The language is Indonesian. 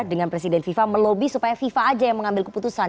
dengan presiden fifa melobi supaya fifa aja yang mengambil keputusan